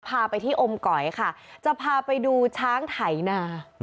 พาไปที่อมก๋อยค่ะจะพาไปดูช้างไถนา